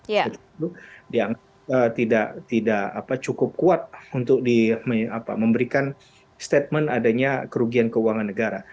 itu dianggap tidak cukup kuat untuk memberikan statement adanya kerugian keuangan negara